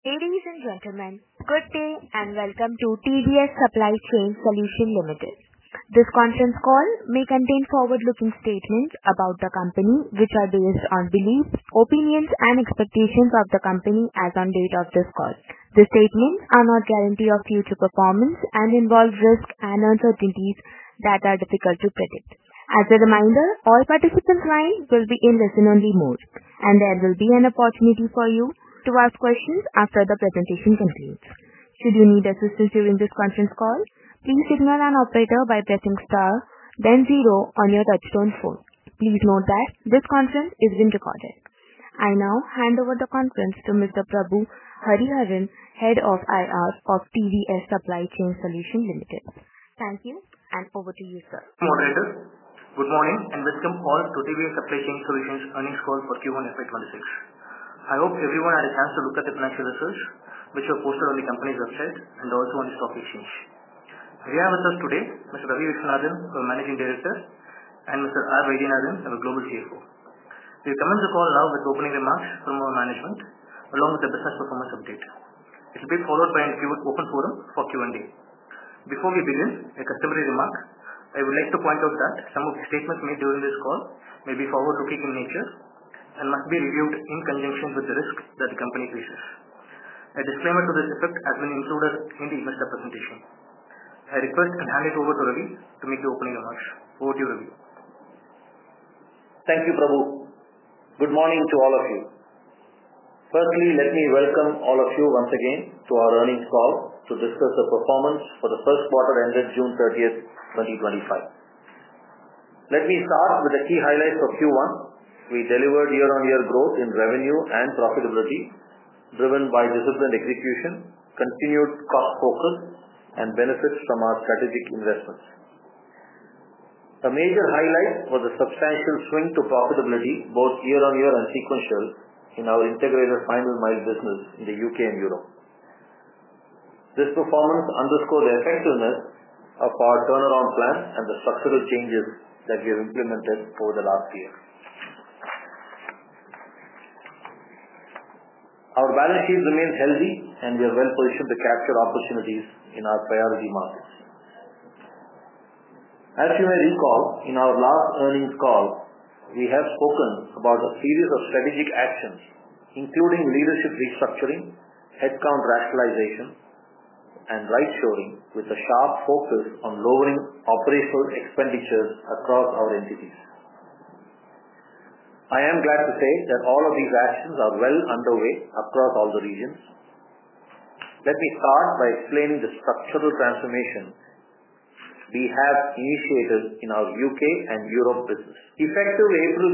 Ladies and gentlemen, good day and welcome to TVS Supply Chain Solutions Limited. This conference call may contain forward-looking statements about the company, which are based on beliefs, opinions, and expectations of the company as on date of this call. The statements are not guarantees of future performance and involve risks and uncertainties that are difficult to predict. As a reminder, all participants' rights will be in listen-only mode, and there will be an opportunity for you to ask questions after the presentation completes. Should you need assistance during this conference call, please signal an operator by pressing star, then zero on your touch-tone phone. Please note that this conference is being recorded. I now hand over the conference to Mr. Prabhu Hariharan, Head of IR of TVS Supply Chain Solutions Limited. Thank you, and over to you, sir. Thank you, moderator. Good morning and welcome all to TVS Supply Chain Solutions Earnings Call for Q1 FY2026. I hope everyone had a chance to look at the financial results, which were posted on the company's website and also on the stock exchange. Here we have with us today Mr. Ravi Viswanathan, our Managing Director, and Mr. R. Vaidhyanathan, our Global CFO. We'll commence the call now with opening remarks from our management, along with the business performance update. It will be followed by an open quorum for Q&A. Before we begin, a customary remark. I would like to point out that some of the statements made during this call may be forward-looking in nature and must be reviewed in conjunction with the risks that the company faces. A disclaimer to this effect has been included in the investor presentation. I request and hand it over to Ravi to make the opening remarks. Over to you, Ravi. Thank you, Prabhu. Good morning to all of you. Firstly, let me welcome all of you once again to our earnings call to discuss the performance for the first quarter ended June 30th, 2025. Let me start with the key highlights for Q1. We delivered year-on-year growth in revenue and profitability, driven by disciplined execution, continued cost focus, and benefits from our strategic investments. A major highlight was a substantial swing to profitability, both year-on-year and sequential, in our Integrated Final Mile business in the U.K. and Europe. This performance underscored the effectiveness of our turnaround plan and the structural changes that we have implemented for the last year. Our balance sheet remains healthy, and we are well positioned to capture opportunities in our priority markets. As you may recall, in our last earnings call, we have spoken about a series of strategic actions, including leadership restructuring, headcount rationalization, and rate-shoring, with a sharp focus on lowering operational expenditures across our entities. I am glad to say that all of these actions are well underway across all the regions. Let me start by explaining the structural transformation we have initiated in our U.K. and Europe business. Effective April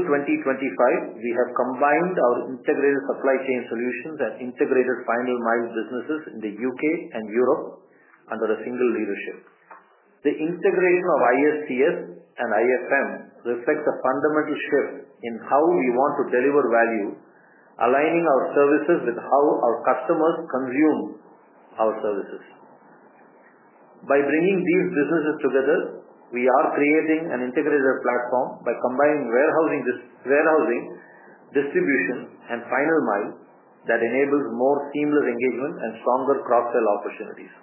2025, we have combined our Integrated Supply Chain Solutions and Integrated Final Mile businesses in the U.K. and Europe under a single leadership. The integration of ISCS and IFM reflects a fundamental shift in how we want to deliver value, aligning our services with how our customers consume our services. By bringing these businesses together, we are creating an integrated platform by combining warehousing, distribution, and final mile that enables more seamless engagement and stronger cross-sell opportunities.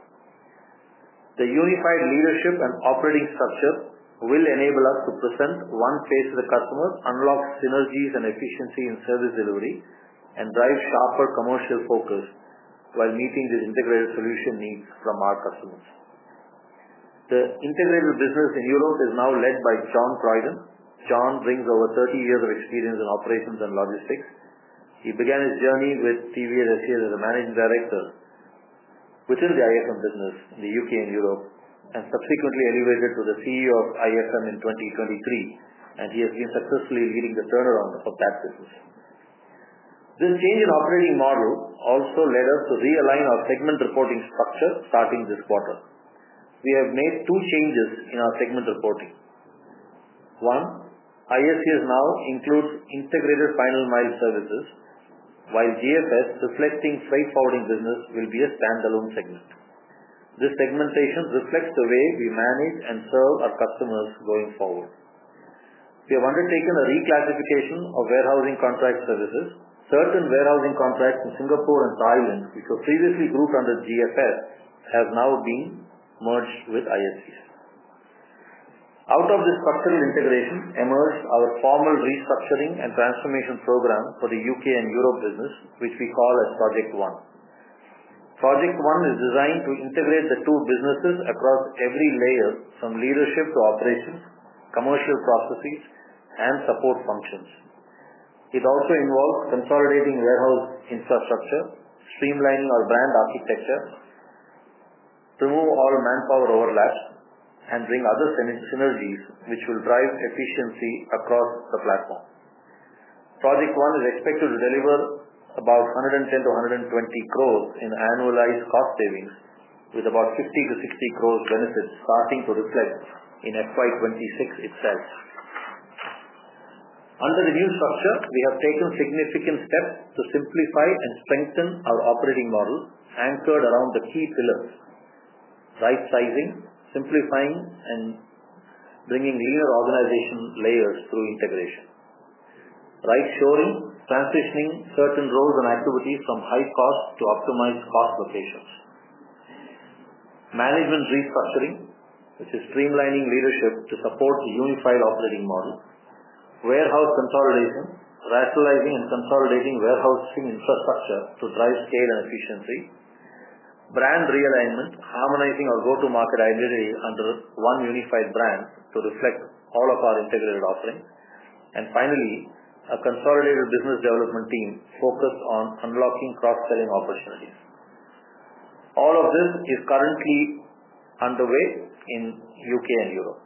The unified leadership and operating structure will enable us to present one face to the customer, unlock synergies and efficiency in service delivery, and drive sharper commercial focus while meeting the integrated solution needs from our customers. The integrated business in Europe is now led by Jon Croyden. John brings over 30 years of experience in operations and logistics. He began his journey with TVS OCA as a Managing Director within the IFM business in the U.K. and Europe, and subsequently elevated to the CEO of IFM in 2023, and he has been successfully leading the turnaround of that business. This change in operating model also led us to realign our segment reporting structure, starting this quarter. We have made two changes in our segment reporting. One, ISCS now includes Integrated Final Mile services, while GFS, reflecting freight forwarding business, will be a standalone segment. This segmentation reflects the way we manage and serve our customers going forward. We have undertaken a reclassification of warehousing contract services. Certain warehousing contracts in Singapore and Thailand, which were previously grouped under GFS, have now been merged with ISCS. Out of this structural integration emerged our formal restructuring and transformation program for the U.K. and Europe business, which we call Project One. Project One is designed to integrate the two businesses across every layer, from leadership to operations, commercial processes, and support functions. It also involves consolidating warehouse infrastructure, streamlining our brand architecture, removing all manpower overlaps, and bringing other synergies, which will drive efficiency across the platform. Project One is expected to deliver about 110 crores-120 crores in annualized cost savings, with about 50 crores-60 crores benefits starting to reflect in FY2026 itself. Under the new structure, we have taken significant steps to simplify and strengthen our operating model, anchored around the key pillars: right sizing, simplifying, and bringing leaner organization layers through integration; right shoring, establishing certain roles and activities from high cost to optimize cost locations; management restructuring, which is streamlining leadership to support the unified operating model; warehouse consolidation, rationalizing and consolidating warehousing infrastructure to drive scale and efficiency; brand realignment, harmonizing our go-to-market identity under one unified brand to reflect all of our integrated offerings; and finally, a consolidated business development team focused on unlocking cross-selling opportunities. All of this is currently underway in the U.K. and Europe.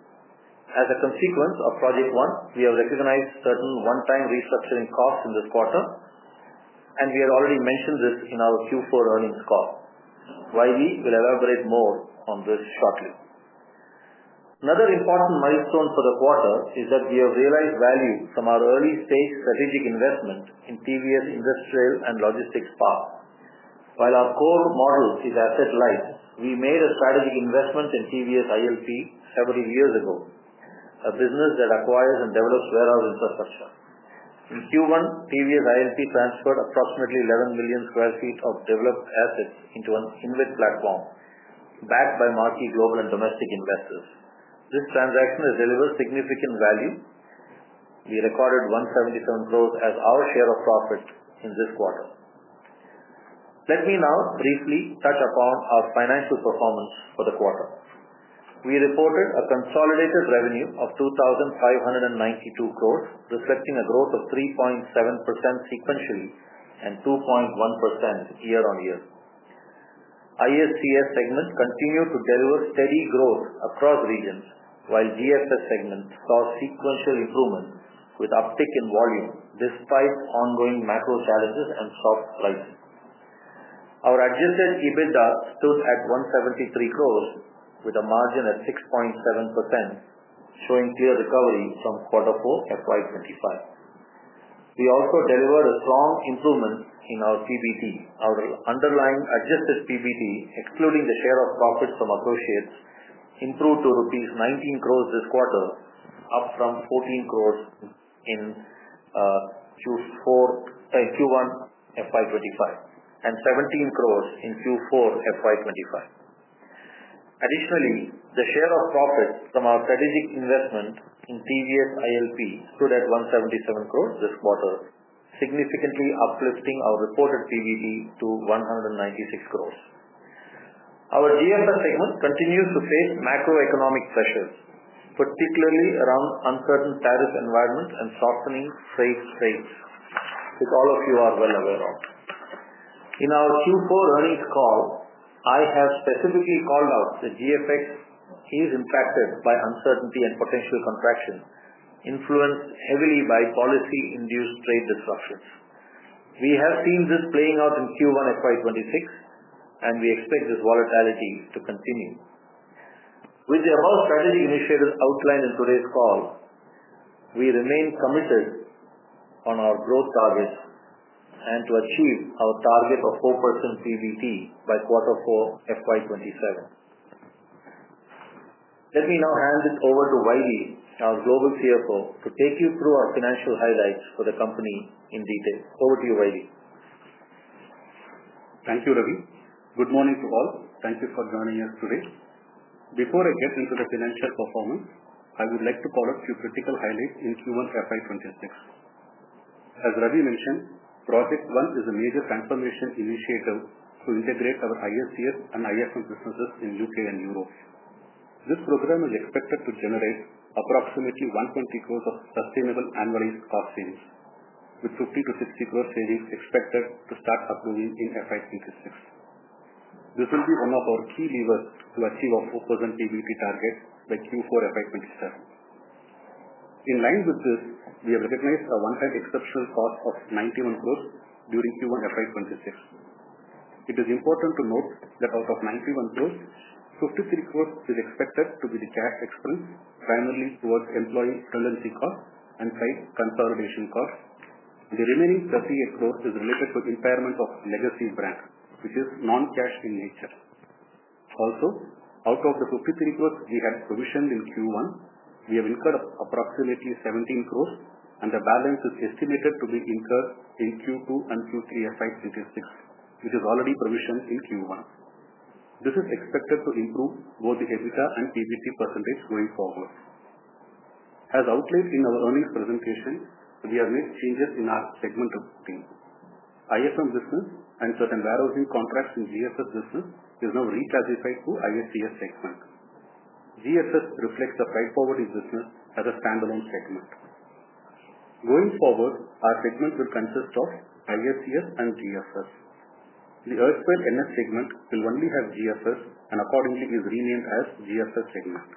As a consequence of Project One, we have recognized certain one-time restructuring costs in this quarter, and we had already mentioned this in our Q4 earnings call. R. Vaidhy will elaborate more on this shortly. Another important milestone for the quarter is that we have realized value from our early-stage strategic investment in TVS Industrial and Logistics Park. While our core model is asset-light, we made a strategic investment in TVS ILP several years ago, a business that acquires and develops warehouse infrastructure. In Q1, TVS ILP transferred approximately 11 million square feet of developed assets into an InVIT platform backed by marquee global and domestic investors. This transaction has delivered significant value. We recorded 177 crores as our share of profits in this quarter. Let me now briefly touch upon our financial performance for the quarter. We reported a consolidated revenue of 2,592 crores, reflecting a growth of 3.7% sequentially and 2.1% year-on-year. ISCS segment continued to deliver steady growth across regions, while GFS segment saw sequential improvement with uptick in volume despite ongoing macro challenges and stock rises. Our adjusted EBITDA stood at 173 crores with a margin at 6.7%, showing clear recovery from Q4 FY2025. We also delivered a strong improvement in our PBT. Our underlying adjusted PBT, excluding the share of profits from associates, improved to rupees 19 crores this quarter, up from 14 crores in Q1 FY2025 and INR 17 crores in Q4 FY2025. Additionally, the share of profits from our strategic investment in TVS ILP stood at 177 crores this quarter, significantly uplifting our reported PBT to 196 crores. Our GFS segment continues to face macroeconomic pressures, particularly around uncertain tariff environments and softening trade rates, which all of you are well aware of. In our Q4 earnings call, I have specifically called out that GFS is impacted by uncertainty and potential contraction, influenced heavily by policy-induced trade disruptions. We have seen this playing out in Q1 FY2026, and we expect this volatility to continue. With the above strategic initiatives outlined in today's call, we remain committed on our growth targets and to achieve our target of 4% PBT by Q4 FY2027. Let me now hand it over to Vaidhy, our Global CFO, to take you through our financial highlights for the company in detail. Over to you, Vaidhy. Thank you, Ravi. Good morning to all. Thank you for joining us today. Before I get into the financial performance, I would like to call up a few critical highlights in Q1 FY2026. As Ravi mentioned, Project One is a major transformation initiative to integrate our ISCS and IFM businesses in the U.K. and Europe. This program is expected to generate approximately 120 crores of sustainable annualized cost savings, with 50 crores-60 crores savings expected to start accruing in FY2026. This will be one of our key levers to achieve our 4% PBT target by Q4 FY2027. In line with this, we have recognized a one-time exception cost of 91 crores during Q1 FY2026. It is important to note that out of 91 crores, 53 crores is expected to be the cash expense, primarily towards employee redundancy cost and site consolidation cost. The remaining 38 crores is related to the impairment of legacy brand, which is non-cash in nature. Also, out of the 53 crores we had provisioned in Q1, we have incurred approximately 17 crores, and the balance is estimated to be incurred in Q2 and Q3 FY2026, which is already provisioned in Q1. This is expected to improve both the EBITDA and PBT percentage going forward. As outlined in our earnings presentation, we have made changes in our segmental reporting. ISCS business and certain warehousing contracts in GFS business are now reclassified to ISCS segment. GFS reflects the freight forwarding business as a standalone segment. Going forward, our segments will consist of ISCS and GFS. The erstwhile IFM segment will only have GFS, and accordingly, it is renamed as GFS segment.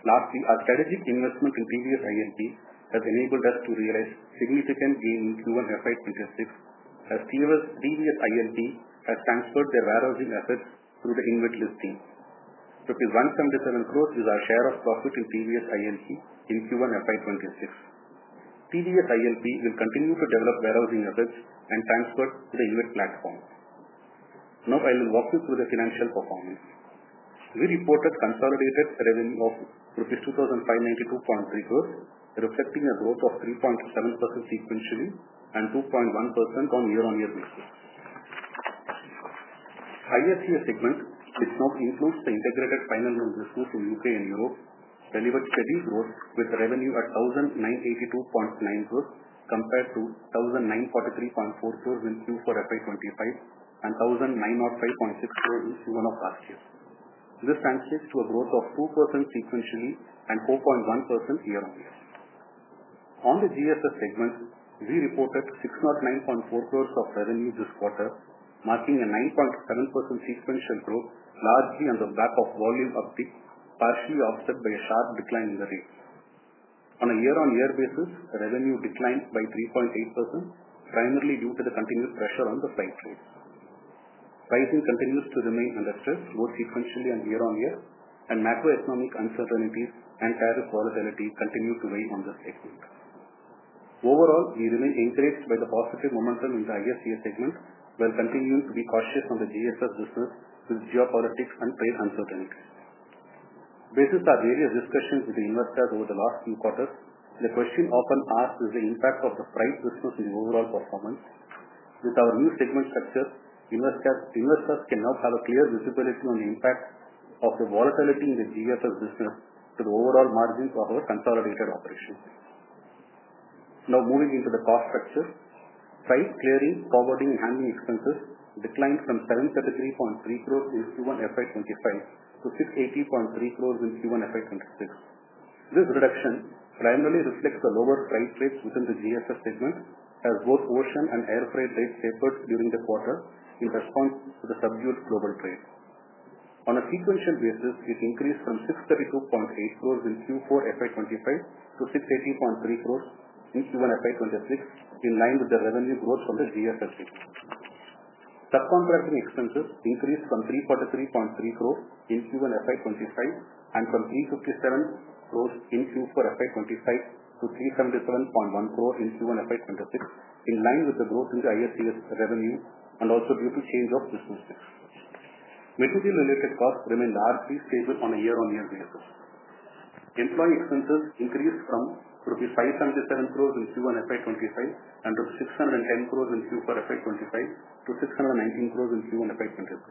Lastly, our strategic investment in TVS ILP has enabled us to realize significant gains in Q1 FY2026 as TVS ILP has transferred their warehousing assets through the InVIT listing. INR 177 crores is our share of profit in TVS ILP in Q1 FY2026. TVS ILP will continue to develop warehousing assets and transfer to the InVIT platform. Now, I will walk you through the financial performance. We reported consolidated revenue of rupees 2,592.3 crores, reflecting a growth of 3.7% sequentially and 2.1% on year-on-year basis. ISCS segment, now inclusive of Integrated Final Mile businesses for U.K. and Europe, delivered steady growth with revenue at 1,982.9 crores compared to 1,943.4 crores in Q4 FY2025 and 1,905.6 crores in Q1 of last year. This translates to a growth of 2% sequentially and 4.1% year-on-year. On the GFS segment, we reported 609.4 crores of revenue this quarter, marking a 9.7% sequential growth, largely on the back of volume uptake, partially offset by a sharp decline in the rate. On a year-on-year basis, revenue declined by 3.8%, primarily due to the continued pressure on the price range. Pricing continues to remain under stress, both sequentially and year-on-year, and macroeconomic uncertainties and tariff volatility continue to weigh on the safety impact. Overall, we remain encouraged by the positive momentum in the ISCS segment, while continuing to be cautious on the GFS business with geopolitics and trade uncertainty. Based on our various discussions with the investors over the last few quarters, the question often asked is the impact of the price results in overall performance. With our new segment structure, investors can now have a clear visibility on the impact of the volatility in the GFS business to the overall margins of our consolidated operations. Now, moving into the cost structure, freight clearing, forwarding, and handling expenses declined from 734.3 crores in Q1 FY2025, which is 680.3 crores in Q1 FY2026. This reduction primarily reflects the lower freight rates within the GFS segment, as both ocean and air freight rates suffered during the quarter in response to the subdued global trade. On a sequential basis, it increased from 632.8 crores in Q4 FY2025 to 680.3 crores in Q1 FY2026, in line with the revenue growth from the GFS segment. Subcontracting expenses increased from 343.3 crores in Q1 FY2025 and from 357 crores in Q4 FY2025 to 377.1 crores in Q1 FY2026, in line with the growth in the ISCS revenue and also due to change of resources. Material-related costs remain largely stable on a year-on-year basis. Employee expenses increased from rupees 577 crores in Q1 FY2025 and rupees 610 crores in Q4 FY2025 to 619 crores in Q1 FY2026.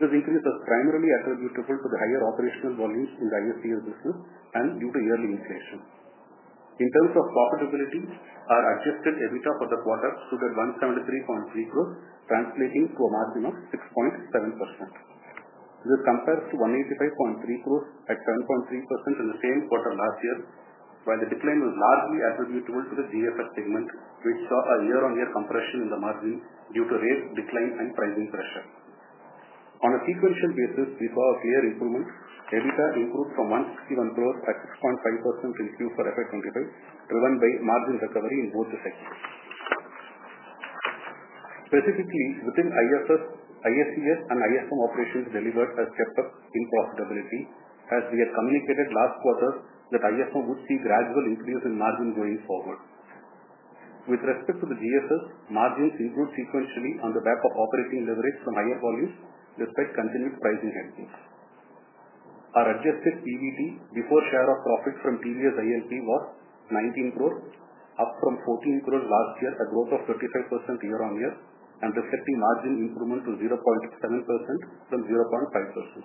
This increase was primarily attributable to the higher operational volumes in the ISCS business and due to yearly inflation. In terms of profitability, our adjusted EBITDA for the quarter stood at 173.3 crores, translating to a margin of 6.7%. This compares to 185.3 crores at 12.3% in the same quarter last year, while the decline was largely attributable to the GFS segment, which saw a year-on-year compression in the margin due to rate declines and pricing pressure. On a sequential basis, we saw a clear improvement. EBITDA improved from 161 crores at 6.5% in Q4 FY2025, driven by margin recovery in both the segments. Specifically, within ISCS and IFM, operations delivered a step up in profitability, as we had communicated last quarter that IFM would see a gradual increase in margin going forward. With respect to the GFS, margins improved sequentially on the back of operating leverage from higher volumes, despite continued pricing headwind. Our adjusted PBT before share of profit from TVS ILP was 19 crores, up from 14 crores last year, a growth of 35% year-on-year, and reflecting margin improvement to 0.7% from 0.5%.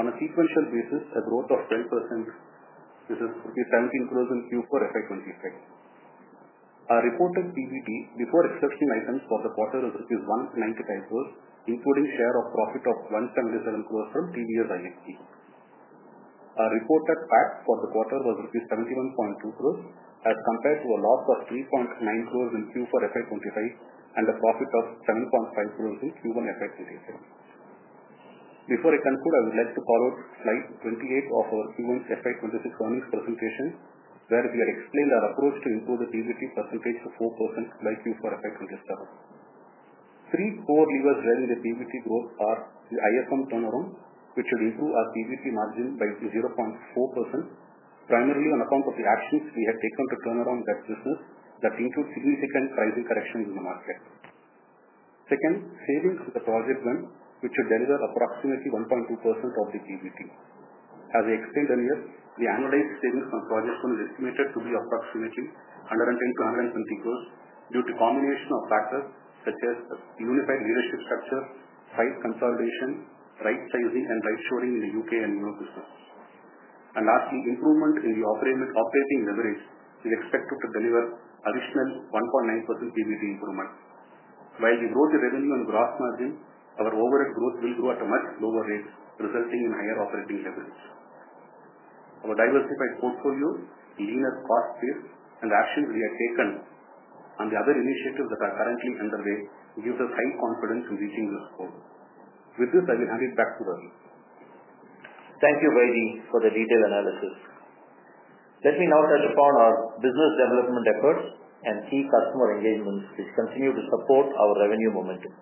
On a sequential basis, a growth of 10%, which is 19 crores in Q4 FY2025. Our reported PBT before exceptional items for the quarter is rupees 1.95 crores, including share of profit of 177 crores from TVS ILP. Our reported PAT for the quarter was rupees 71.2 crores, as compared to a loss of 3.9 crores in Q4 FY2025 and a profit of 7.5 crores in Q1 FY2027. Before I conclude, I would like to call out slide 28 of our Q1 FY2026 earnings presentation, where we had explained our approach to improve the PBT percentage to 4% likely for FY2027. Three core levers driving the PBT growth are the IFM turnaround, which will improve our PBT margin by 0.4%, primarily on account of the actions we have taken to turn around that result that includes significant pricing corrections in the market. Second, savings from Project One, which will deliver approximately 1.2% of the PBT. As I explained earlier, the annualized savings from Project One is estimated to be approximately 110 crores- 120 crores due to a combination of factors such as unified leadership structure, freight consolidation, right sizing, and right shoring in the U.K. and Europe business. A last improvement in the operating leverage is expected to deliver additional 1.9% PBT improvement. While we brought the revenue and gross margin, our overall growth will grow at a much lower rate, resulting in higher operating leverage. Our diversified portfolio, leaner cost saves, and actions we have taken on the other initiatives that are currently underway give us high confidence in reaching this goal. With this, I will hand it back to Ravi. Thank you, Vaidhy, for the detailed analysis. Let me now touch upon our business development efforts and key customer engagement to continue to support our revenue momentum.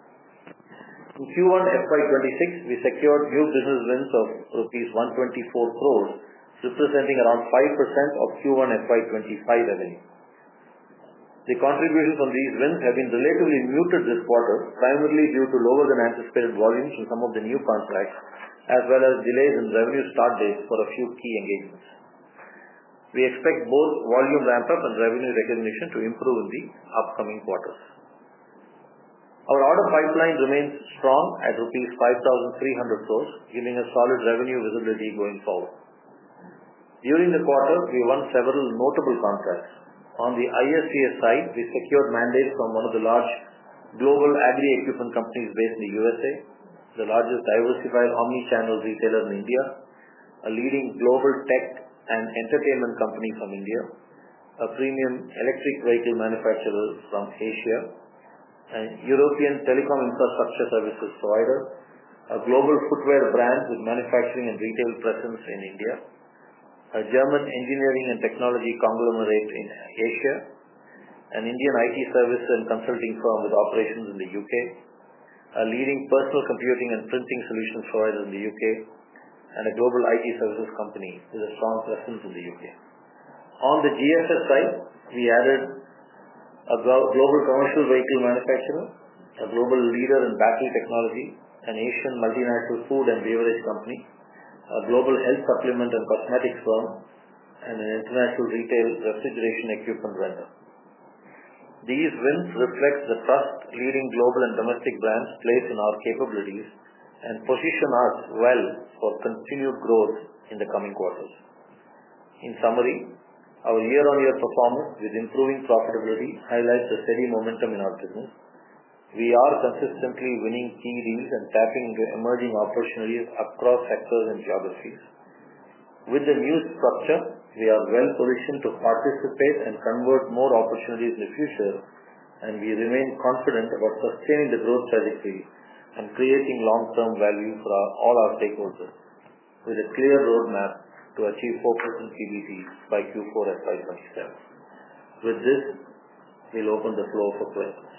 In Q1 FY2026, we secured new business wins of rupees 124 crores, representing around 5% of Q1 FY2025 revenue. The contributions on these wins have been relatively muted this quarter, primarily due to lower than anticipated volumes in some of the new contracts, as well as delays in revenue start dates for a few key engagements. We expect more volume ramp-up and revenue recognition to improve in the upcoming quarters. Our order pipeline remains strong at 5,300 crores, giving us solid revenue visibility going forward. During the quarter, we won several notable contracts. On the ISCS side, we secured mandates from one of the large global agri-equipment companies based in the U.S.A. the largest diversified omnichannel retailer in India, a leading global tech and entertainment company from India, a premium electric vehicle manufacturer from Asia, a European telecom infrastructure services provider, a global footwear brand with manufacturing and retail presence in India, a German engineering and technology conglomerate in Asia, an Indian IT service and consulting firm with operations in the U.K. a leading personal computing and printing solutions provider in the U.K. and a global IT services company with a strong presence in the U.K. On the GFS side, we added a global commercial vehicle manufacturer, a global leader in battery technology, an Asian multinational food and beverage company, a global health supplement and cosmetics firm, and an international retail refrigeration equipment vendor. These wins reflect the trust leading global and domestic brands place in our capabilities and position us well for continued growth in the coming quarters. In summary, our year-on-year performance with improving profitability highlights the steady momentum in our business. We are consistently winning key deals and tapping the emerging opportunities across sectors and geographies. With the new structure, we are well positioned to participate and convert more opportunities in the future, and we remain confident about sustaining the growth trajectory and creating long-term value for all our stakeholders with a clear roadmap to achieve 4% PBT by Q4 FY2027. With this, we'll open the floor for questions.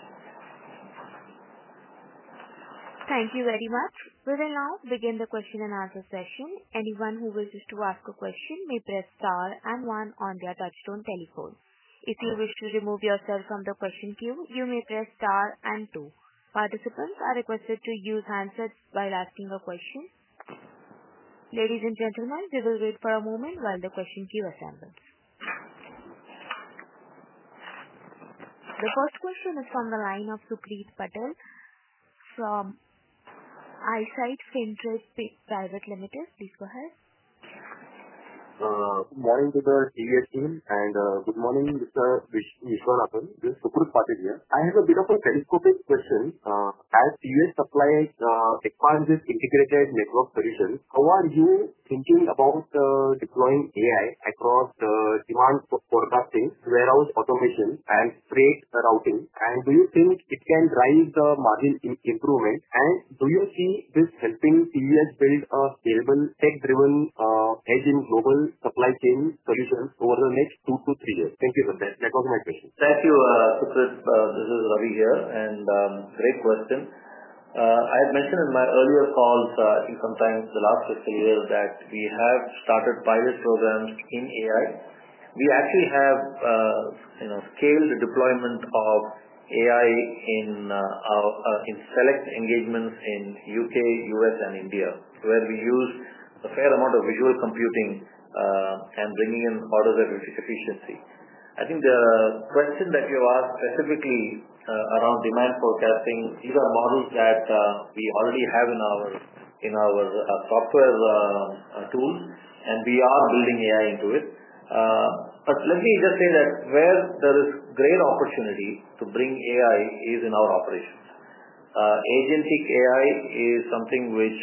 Thank you very much. We will now begin the question and answer session. Anyone who wishes to ask a question may press star and one on their touch-tone telephone. If you wish to remove yourself from the question queue, you may press star and two. Participants are requested to use handsets while asking a question. Ladies and gentlemen, we will wait for a moment while the question queue opens. The first question is from the line of Sucrit Patil from Eyesight Fintrade Private Limited. Please go ahead. Morning to the TVS team, and good morning, Mr. Viswanathan. This is Sucrit Patil here. I have a bit of a telescopic question. As TVS supplies the quantitative Integrated Network Solutions, how are you thinking about deploying AI across the demand for forecasting, warehouse automation, and freight routing? Do you think it can drive the margin improvement? Do you see this helping TVS build a scalable, tech-driven edge in global supply chain solutions over the next two to three years? Thank you for that. That was my question. Thank you, Sucrit. This is Ravi here, and great question. I had mentioned in my earlier calls sometimes the last 15 years that we have started pilot programs in AI. We actually have scaled the deployment of AI in select engagements in the U.K. U.S. and India, where we use a fair amount of visual computing and bringing in order of efficiency. I think the question that you asked specifically around demand forecasting, these are models that we already have in our software tool, and we are building AI into it. Let me just say that where there is great opportunity to bring AI is in our operations. Agentic AI is something which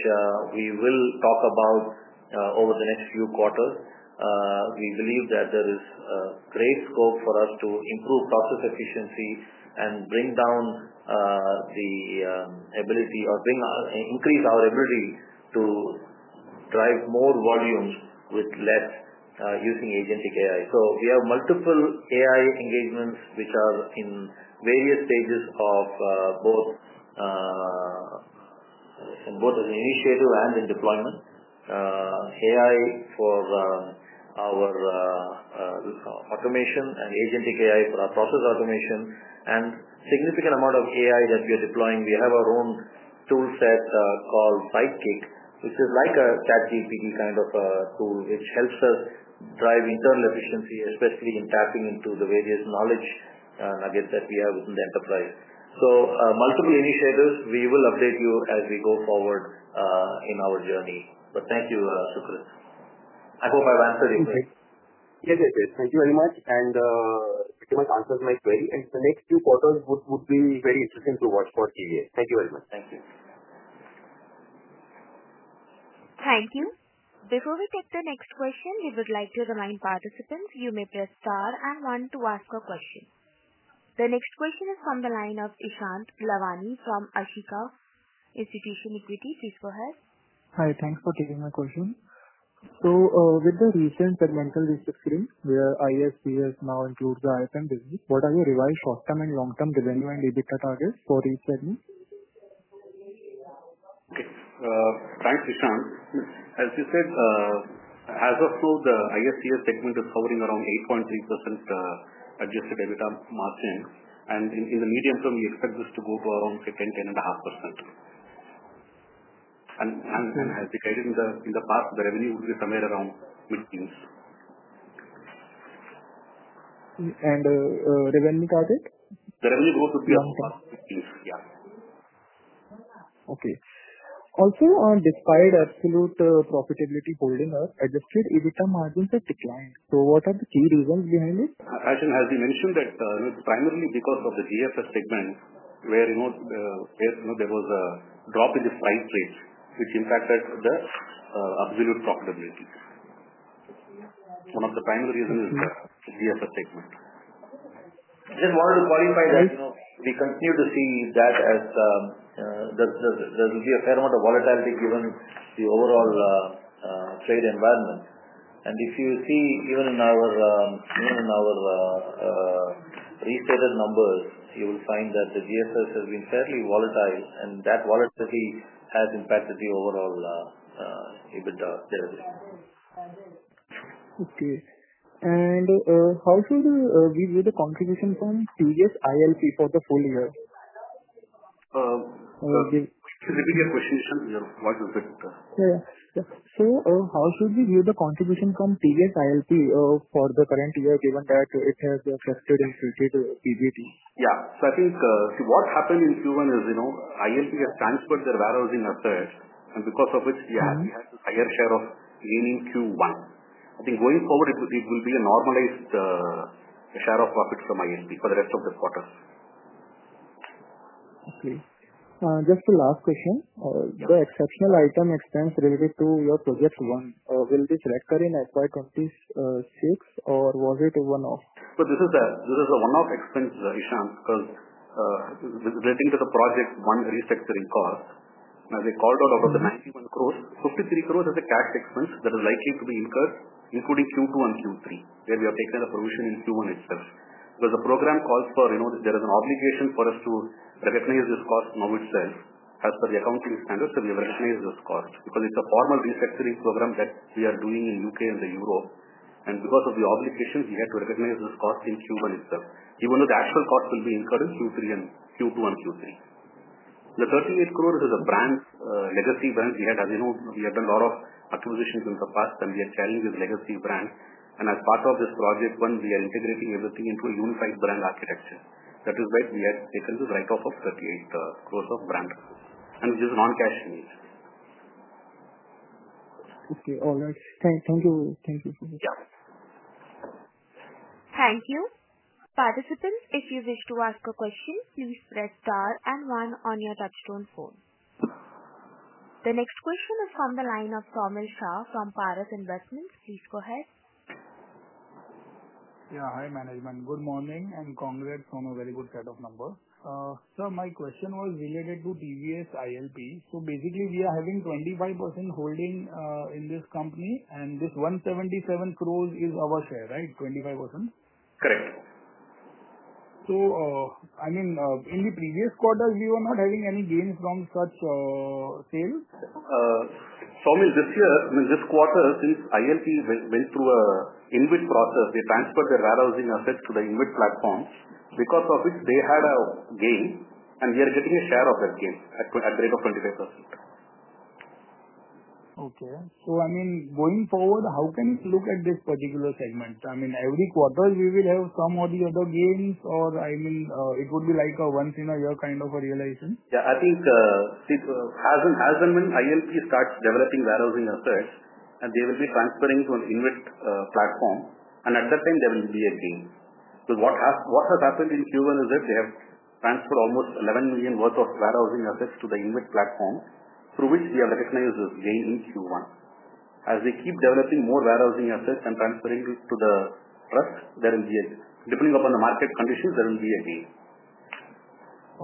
we will talk about over the next few quarters. We believe that there is a great scope for us to improve process efficiency and bring down the ability or increase our ability to drive more volumes with less using agentic AI. We have multiple AI engagements which are in various stages of both as an initiative and in deployment. AI for our automation and agentic AI for our process automation, and a significant amount of AI that we are deploying, we have our own toolset called BiteKick, which is like a ChatGPT kind of tool. It helps us drive internal efficiency, especially in tapping into the various knowledge nuggets that we have within the enterprise. Multiple initiatives, we will update you as we go forward in our journey. Thank you, Sucrit. I hope I've answered your question. Yes, thank you very much. You pretty much answered my query. The next two quarters would be very interesting to watch for TVS. Thank you very much. Thank you. Thank you. Before we take the next question, we would like to remind participants you may press star and one to ask a question. The next question is from the line of Ishant Lalwani from Ashika Institution Equity. Please go ahead. Hi. Thanks for taking my question. With the recent segmental reporting change, where ISCS now includes the IFM business, what are your revised short-term and long-term revenue and EBITDA targets for each segment? Thanks, Ishant. As you said, as of now, the ISCS segment is hovering around 8.3% adjusted EBITDA margin. In the medium term, we expect this to go about 10%, 10.5%. As we tell you, in the past, the revenue would be somewhere around 15%. Revenue target? The revenue growth would be around 15%, yes. Okay. Also, despite absolute profitability holding up, adjusted EBITDA margins have declined. What are the key reasons behind it? As we mentioned, that's primarily because of the GFS segment, where there was a drop in the freight rates, which in fact affects the absolute profitability. One of the primary reasons is the GFS segment. Just wanted to clarify we continue to see that as there will be a fair amount of volatility given the overall trade environment. If you see even in our restated numbers, you will find that the GFS has been fairly volatile, and that volatility has impacted the overall EBITDA share. Okay. How should we view the contribution from previous TVS ILP for the full year? Can you repeat your question, Ishant. Your voice is bit muffled. Yes. How should we view the contribution from previous TVS ILP for the current year given that it has been adjusted and treated PBT? I think what happened in Q1 is ILP has transferred their warehousing assets, and because of which, we had a higher share in Q1. I think going forward, it will be a normalized share of profits from ISCS for the rest of this quarter. Okay. Just the last question. The exceptional item expense related to your Project One, will this recur in FY2026 or was it a one-off? This is a one-off expense, Ishaan, because relating to the Project One restructuring cost, now they called out over 91 crores, 53 crores is a cash expense that is likely to be incurred, including Q2 and Q3, where we are taking the provision in Q1 itself. The program calls for, you know there is an obligation for us to recognize this cost in all its shares. As per the accounting standards, we have recognized this cost because it's a formal restructuring program that we are doing in the U.K. and Europe. Because of the obligations, we had to recognize this cost in Q1 itself. Even though the actual cost will be incurred in Q2 and Q3. The 38 crores, this is a brand, legacy brand we had. As you know, we had a lot of acquisitions in the past, and we are selling this legacy brand. As part of this Project One, we are integrating everything into a unified brand architecture. That is why we have taken this write-off of 38 crores of brand, and which is non-cash in it. Okay. All right. Thank you. Thank you. Participants, if you wish to ask a question, please press star and one on your touch-tone phone. The next question is from the line of Saumil Shah from Paris Investments. Please go ahead. Yeah. Hi, management. Good morning and congrats on a very good set of numbers. Sir, my question was related to TVS ILP. Basically, we are having 25% holding in this company, and with 177 crores is our share, right? 25%? Correct. In the previous quarter, we were not having any gains from such sales. Saumil, this year, this quarter, since ILP went through an InVIT process, they transferred their warehousing assets to the InVIT platform. Because of this, they had a gain, and we are getting a share of that gain at a rate of 25%. Okay. Going forward, how can we look at this particular segment? Every quarter, we will have some or the other gains, or it would be like a once in a year kind of a realization? Yeah. I think, see, as and when ILP starts developing warehousing assets, and they will be transferring to an InVIT platform, at that time, there will be a gain. What has happened in Q1 is that they have transferred almost 11 million worth of warehousing assets to the InVIT platform, through which they have recognized this gain in Q1. As they keep developing more warehousing assets and transferring to the platform, plus there will be, depending upon the market conditions, there will be a gain.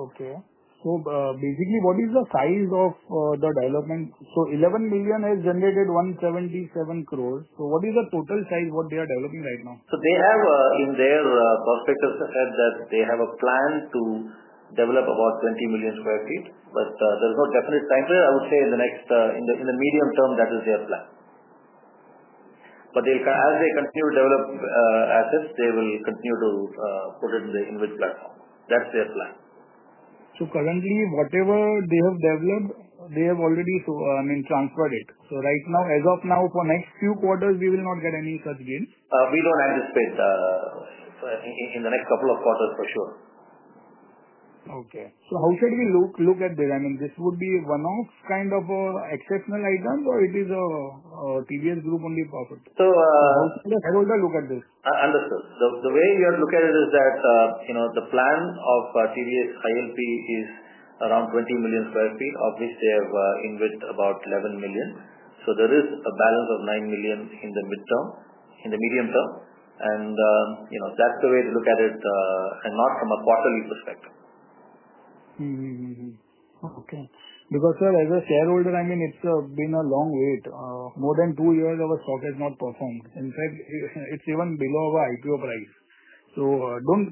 Okay. Basically, what is the size of the development? 11 million has generated 177 crores. What is the total size they are developing right now? They have, in their prospectus, said that they have a plan to develop about 20 million square feet, but there's no definite time frame. I would say in the next, in the medium term, that is their plan. As they continue to develop assets, they will continue to put it in the InVIT platform. That's their plan. Currently, whatever they have developed, they have already transferred it. Right now, as of now, for the next few quarters, we will not get any such gains? We don't anticipate in the next couple of quarters, for sure. Okay. How should we look at this? I mean, this would be one-off kind of exceptional items, or it is a TVS Group only profit? How should I look at this? Understood. The way you look at it is that, you know, the plan of TVS ILP is around 20 million square feet, of which they have invested about 11 million. There is a balance of 9 million in the medium term. You know, that's the way to look at it, and not from a quarterly perspective. Okay. Because, sir, as a shareholder, I mean, it's been a long wait. More than two years, our stock has not performed. In fact, it's even below our IPO price.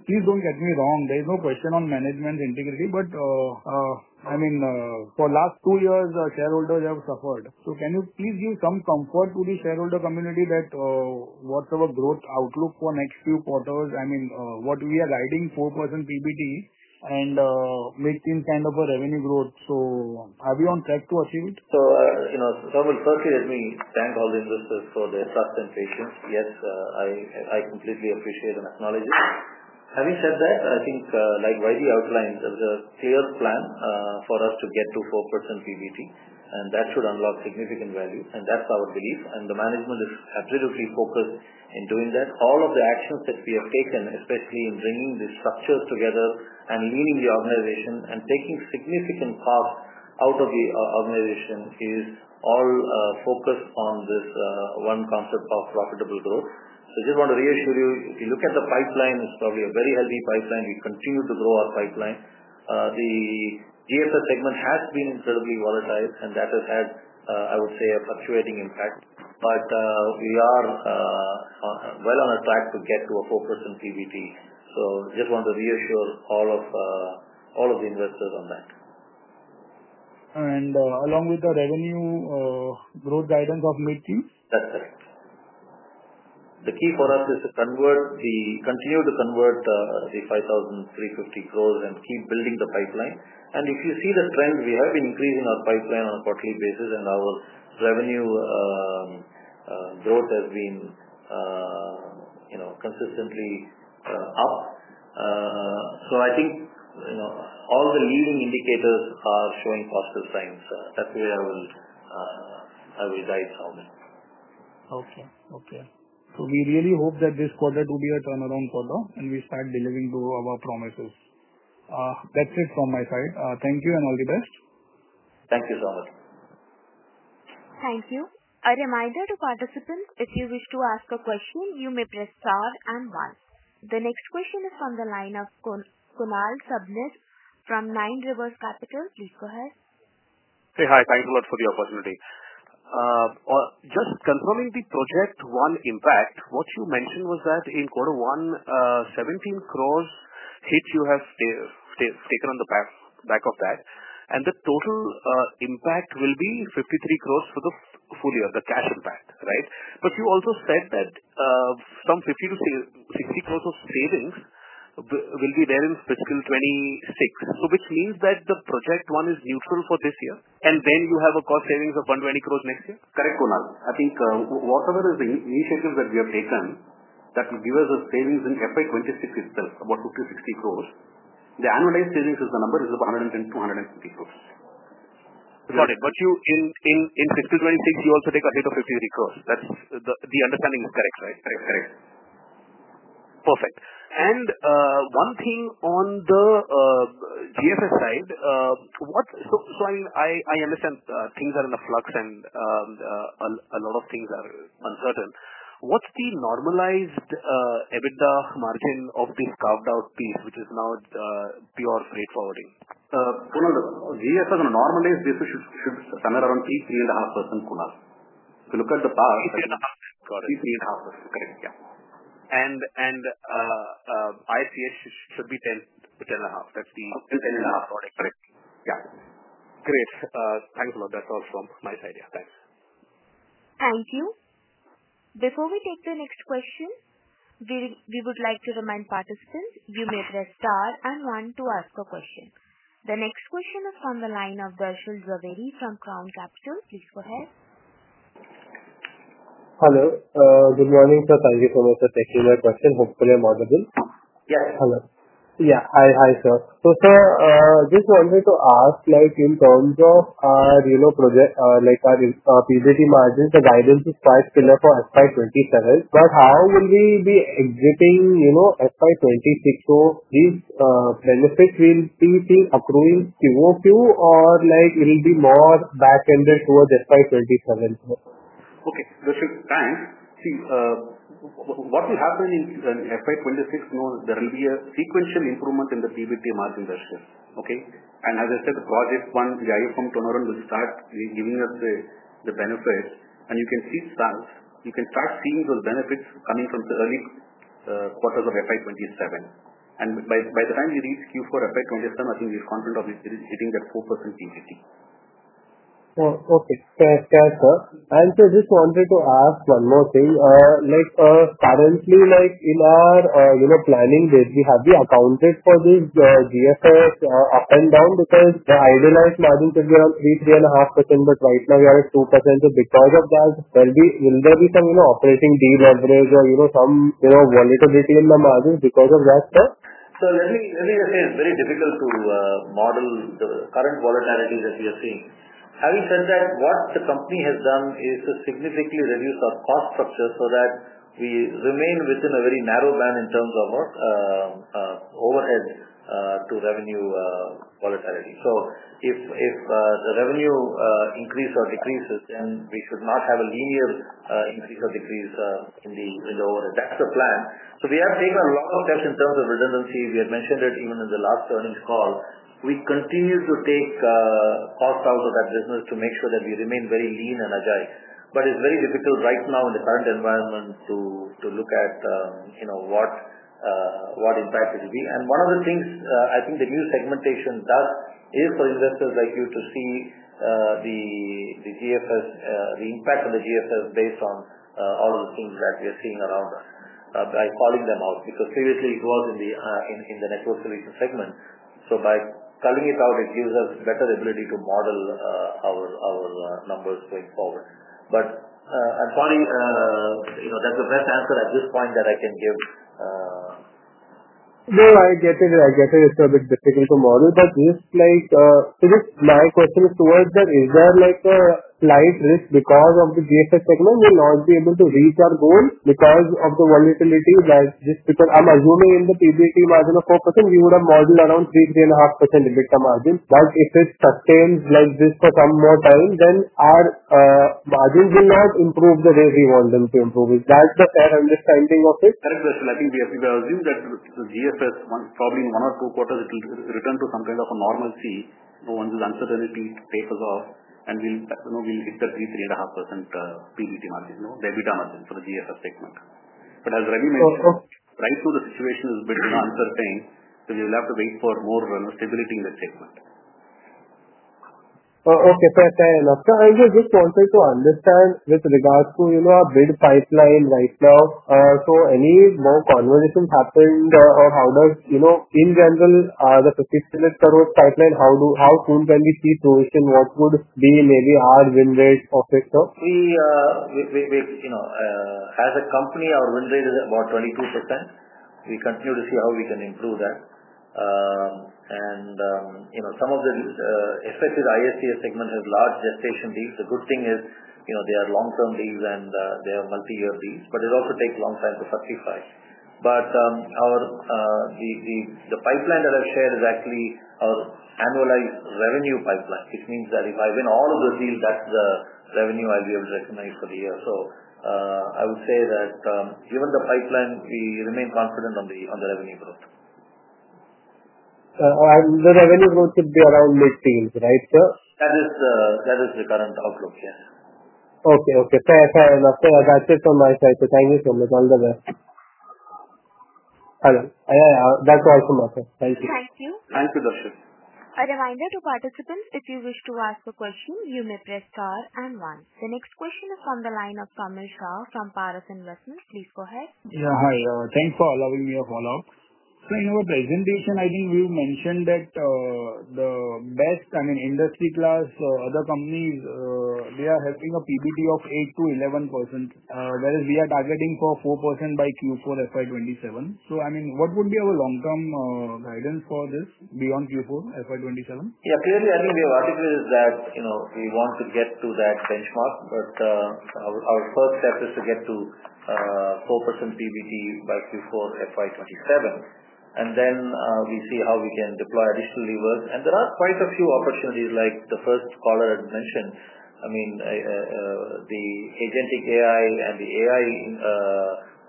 Please don't get me wrong. There is no question on management's integrity, but I mean, for the last two years, shareholders have suffered. Can you please give some comfort to the shareholder community that what's our growth outlook for the next few quarters? I mean, what we are guiding, 4% PBT, and maximum kind of a revenue growth. Are we on track to achieve it? Firstly, let me thank all the investors for their substance and patience. Yes, I completely appreciate and acknowledge it. Having said that, I think, like Wadi outlined, there's a clear plan for us to get to 4% PBT, and that should unlock significant value. That's our belief. The management is absolutely focused in doing that. All of the actions that we have taken, especially in bringing this structure together and leaning the organization and taking significant costs out of the organization, is all focused on this one concept of profitable growth. I just want to reassure you, if you look at the pipeline, it's probably a very healthy pipeline. We continue to grow our pipeline. The GFS segment has been incredibly volatile, and that has had, I would say, a fluctuating impact. We are well on a track to get to a 4% PBT. I just want to reassure all of the investors on that. Along with the revenue growth guidance of mid-teens? That's correct. The key for us is to continue to convert the 5,350 crores and keep building the pipeline. If you see the trends, we have been increasing our pipeline on a quarterly basis, and our revenue growth has been consistently up. I think all the leading indicators are showing positive signs. That's the way I will guide, Saumil. Okay. We really hope that this quarter will be a turnaround quarter, and we start delivering to our promises. That's it from my side. Thank you and all the best. Thank you so much. Thank you. A reminder to participants, if you wish to ask a question, you may press star and one. The next question is from the line of Kunal Sabnis from Nine Rivers Capital. Please go ahead. Hey, hi. Thanks a lot for the opportunity. Just confirming the Project One impact, what you mentioned was that in quarter one, 17 crores hits you have taken on the back of that. The total impact will be 53 crores for the full year, the cash impact, right? You also said that some 50 crores-60 crores of savings will be there in Q2 FY2026, which means that the Project One is useful for this year, and then you have a cost savings of 120 crores next year. Correct, Kunal. I think whatever is the initiatives that we have taken, that will give us a savings in FY2026 itself, about 260 crores. The annualized savings is the number, is about 110 crores-150 crores. Got it. In Q2 2026, you also take a hit of 53 crores. The understanding is correct, right? Correct. Perfect. One thing on the GFS side, what’s the normalized EBITDA margin of the carved-out piece, which is now pure freight forwarding? Kunal, the GFS on a normalized basis should be somewhere around 3%, 3.5%, Kunal. If you look at the path, 3%, 3.5%. Correct. Got it. Yeah, ISCS should be 10% to 10.5%. That's the 13.5%. Got it. Correct. Yeah. Great. Thanks, Kunal. That's all from my side. Thanks. Thank you. Before we take the next question, we would like to remind participants you may press star and one to ask a question. The next question is from the line of Darshil Jhaveri from Crown Capital. Please go ahead. Hello, good morning. Thank you for taking my question. Hopefully, I'm audible. Yes. Hello. Yeah. Hi, sir. Sir, just wanted to ask, in terms of, you know, project, like our PBT margins, the guidance is quite similar for FY2027, but how will we be exiting, you know, FY2026? These benefits will be accruing Q2 or it will be more back ending towards FY2027?Okay. Sir, thanks. Darshil, see, what will happen in FY2026, there will be a sequential improvement in the PBT margin, Darshal. Okay? As I said, the Project One, the IFM turnaround will start giving us the benefits. You can start seeing those benefits from the early quarters of FY2027. By the time you reach Q4 FY2027, I think we are confident of this hitting that 4% PBT. Yes, sir. Just wanted to ask one more thing. Currently, in our planning, we have the accountants for these GFS up and down because driving our margins is around 3%, 3.5%, but right now we are at 2%. Because of that, will there be some operating deal leverage or some volatility in the margins because of that, sir? Let me just say it's very difficult to model the current volatilities that we are seeing. Having said that, what the company has done is to significantly reduce our cost structure so that we remain within a very narrow band in terms of work, overhead to revenue volatility. If the revenue increases or decreases, then we should not have a linear increase or decrease in the overhead. That's the plan. We have taken a lot of cash in terms of redundancy. We had mentioned it even in the last earnings call. We continue to take cost out of that business to make sure that we remain very lean and agile. It's very difficult right now in the current environment to look at what impacts it will be. One of the things I think the new segmentation does is for investors like you to see the GFS, the impact on the GFS based on all of the things that we are seeing around us, by calling them out. Typically, it was in the Network Solutions segment. By calling it out, it gives us better ability to model our numbers going forward. I'm sorry, that's the best answer at this point that I can give. No, I get it. It's a bit difficult to model. My question is towards that. Is there a client risk because the GFS segment will not be able to reach our goal because of the volatility? I'm assuming in the PBT margin of 4%, we would have margin around 3%, 3.5% EBITDA margin. If it sustains like this for some more time, then our margins will not improve the way we want them to improve. Is that the fair understanding of it? Correct, Darshil. I think GFS will assume that the GFS probably in one or two quarters it will return to some kind of a normalcy. Once uncertainty tapers off, and we'll hit the 3%, 3.5% PBT margin, no EBITDA margin for the GFS segment. As Ravi mentioned, right now the situation is a bit uncertain, so you'll have to wait for more stability in that segment. Okay, fair enough. I'll just answer to understand with regards to our order pipeline right now. Any more conversations happened, or how does, in general, the INR 100 crores pipeline, how soon can we see fruition? What would be maybe our win rate of it, sir? As a company, our win rate is about 22%. We continue to see how we can improve that. Some of the effective ISCS segment has large gestation deals. The good thing is, they are long-term deals and they are multi-year deals, but it all could take a long time to satisfy. The pipeline that I've shared is actually our annualized revenue pipeline, which means that if I win all of those deals, that's the revenue I'll be able to recognize for the year. I would say that, given the pipeline, we remain confident on the revenue growth. The revenue growth should be around mid-teens, right, sir? That is the current outlook, yes. Okay. Fair enough. As I said from my side, thank you, sir. Alvida. Alvida. Thank you. A reminder to participants, if you wish to ask a question, you may press star and one. The next question is from the line of Saumil Shah from Paris Investments. Please go ahead. Yeah. Hi. Thanks for allowing me a follow-up. In our presentation, I think we mentioned that the best, I mean, industry-class, other companies, they are helping a PBT of 8%-11%, whereas we are targeting for 4% by Q4 FY2027. What would be our long-term guidance for this beyond Q4 FY2027? Yeah. Clearly, I think the article is that, you know, we want to get to that benchmark, but our first step is to get to 4% PBT by Q4 FY2027. We see how we can deploy additional rewards. There are quite a few opportunities, like the first caller had mentioned. I mean, the agentic AI and the AI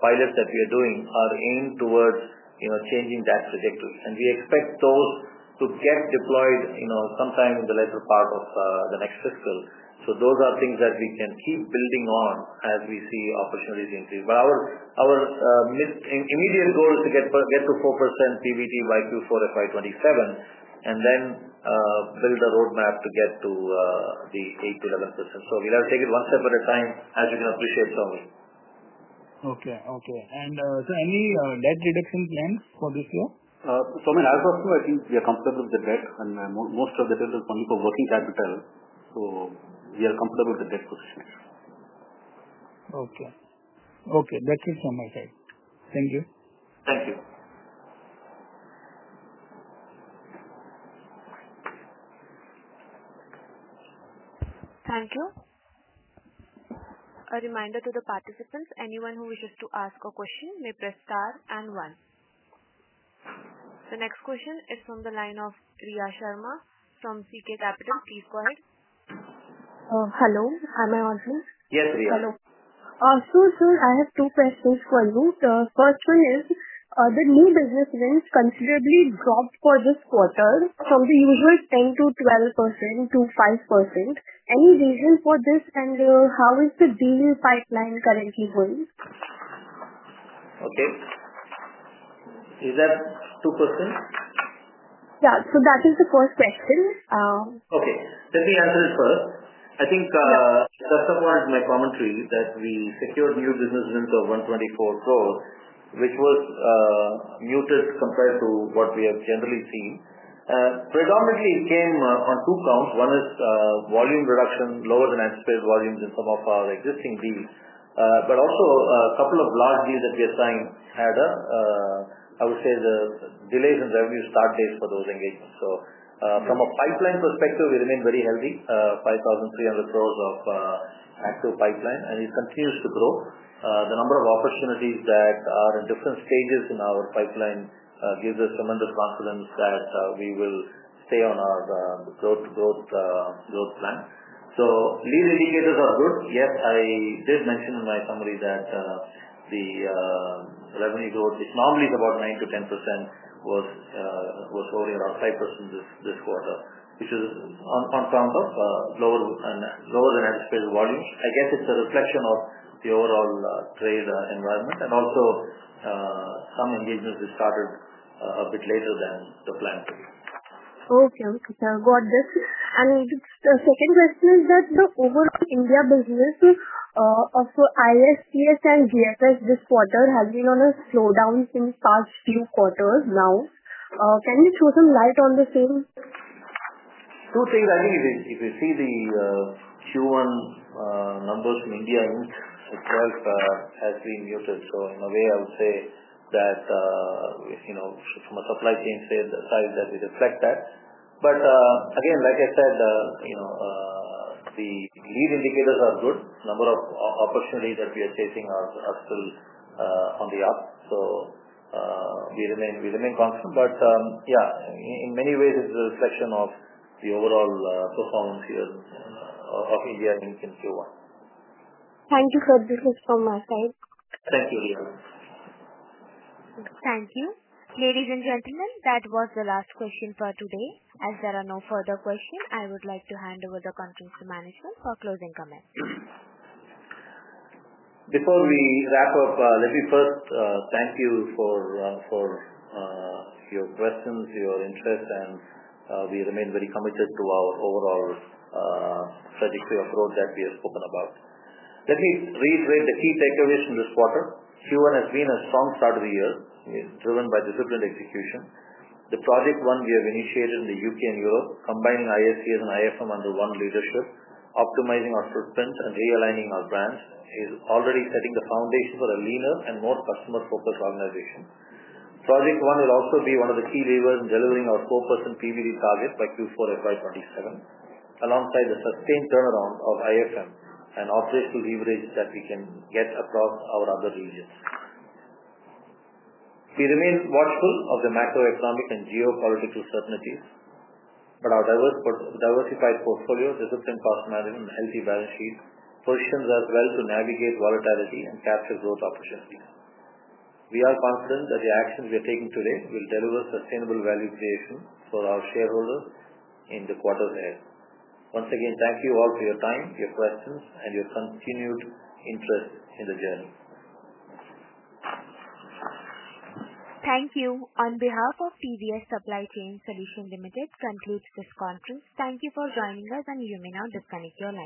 pilots that we are doing are aimed towards, you know, changing that trajectory. We expect those to get deployed sometime in the later part of the next fiscal. Those are things that we can keep building on as we see opportunities increase. Our immediate goal is to get to 4% PBT by Q4 FY2027 and then build a roadmap to get to the 8%-11%. We'll take it one step at a time, as you can appreciate, Saumil. Okay. Is there any debt reduction plans for this year? Saumil, as of now, I think we are comfortable with the debt, and most of the debt is coming from working capital level. We are comfortable with the debt position. Okay. Okay. That's it from my side. Thank you. Thank you. Thank you. A reminder to the participants, anyone who wishes to ask a question may press star and one. The next question is from the line of Riya Sharma from CK Capitals. Please go ahead. Hello. Am I on Zoom? Yes, Riya. Hello. Sir, I have two questions for you. The first one is, the new business wins considerably dropped for this quarter from the usual 10%-12%-5%. Any reason for this, and how is the deal pipeline currently holding? Okay, is that two questions? Yes. That is the first question. Okay. Let me answer this first. I think the first one is my commentary is that we secured new business wins of 124 crores, which was muted compared to what we have generally seen. Predominantly, it came on two counts. One is volume reduction, lower than anticipated volumes in some of our existing deals. Also, a couple of large deals that we assigned had, I would say, delays in revenue start dates for those engagements. From a pipeline perspective, we remain very healthy, 5,300 crores of active pipeline, and it continues to grow. The number of opportunities that are in different stages in our pipeline gives us tremendous confidence that we will stay on our growth plan. Lead indicators are good. Yes, I did mention in my summary that the revenue growth, which normally is about 9%-10%, was holding around 5% this quarter, which is on account of lower than anticipated volume. Again, it's a reflection of the overall trade environment and also some engagements we started a bit later than the plan to be. Okay. Got this. The second question is that the over-India businesses of ISCS and GFS this quarter have been on a slowdown since past few quarters now. Can you shed some light on the same? Two things. I think if you see the Q1 numbers in India, it itself has been muted. In a way, I would say that from a supply chain side, we reflect that. Again, like I said, the lead indicators are good. The number of opportunities that we are chasing are still on the up. We remain confident. In many ways, it's a reflection of the overall performance here and of India since Q1. Thank you for this from my side. Thank you, Riya. Thank you. Ladies and gentlemen, that was the last question for today. As there are no further questions, I would like to hand over the conference to management for closing comments. Before we wrap up, let me first thank you for your questions, your interest, and we remain very committed to our overall strategic growth that we have spoken about. Let me reiterate the key takeaways from this quarter. Q1 has been a strong start to the year, driven by disciplined execution. The Project One we have initiated in the U.K. and Europe, combining ISCS and IFM under one leadership, optimizing our footprint and realigning our brands, is already setting the foundation for a leaner and more customer-focused organization. Project One will also be one of the key levers in delivering our 4% PBT targets by Q4 FY2027, alongside the sustained turnaround of IFM and operational leverage that we can get across our other regions. We remain watchful of the macroeconomic and geopolitical certainties, but our diversified portfolio, resilient cost management, and healthy balance sheet functions as well to navigate volatility and capture growth opportunities. We are confident that the actions we are taking today will deliver sustainable value creation for our shareholders in the quarters ahead. Once again, thank you all for your time, your questions, and your continued interest in the journey. Thank you. On behalf of TVS Supply Chain Solutions Limited, this concludes this conference. Thank you for joining us, and you may now disconnect.